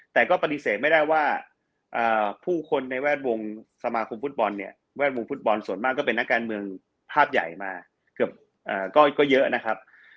แต่ก็ปฏิเสธไม่ได้ว่าผู้คนในแวดวงสมาคมฟุตบอลเนี่ยแวดวงฟุตบอลส่วนมากก็เป็นนักการเมืองภาพใหญ่มาเกือบก็เยอะนะครับ